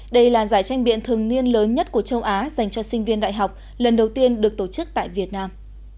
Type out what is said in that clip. đây là giải tranh biện thường niên lớn nhất của châu á dành cho sinh viên đại học lần đầu tiên được tổ chức tại việt nam